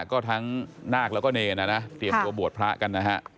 ก็ทั้งนาคแล้วก็เนรนะนะเตรียมตัวบวชพระกันนะฮะ